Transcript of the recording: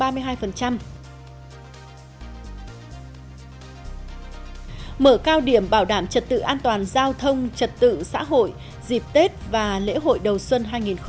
mở cao điểm bảo đảm trật tự an toàn giao thông trật tự xã hội dịp tết và lễ hội đầu xuân hai nghìn hai mươi bốn